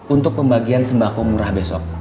untuk pembagian sembako murah besok